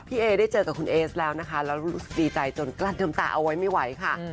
พี่เอ๋ได้เจอกับคุณเอสแล้วนะคะแล้วรู้สึกดีใจจนกลั้นดนตาเอาไว้ไม่ไหวค่ะ